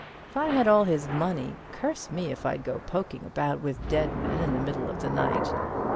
If I had all his money, curse me if I'd go poking about with dead men in the middle of the night.